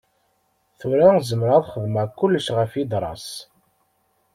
Tura zemreɣ ad xedmeɣ kullec ɣef yidra-s.